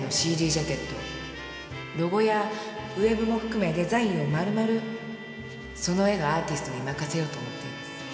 ジャケットロゴやウェブも含めデザインを丸々その絵のアーティストに任せようと思っています。